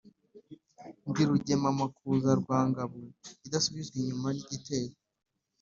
Ndi rugema amakuza rwa Ngabo idasubizwa inyuma n’igitero.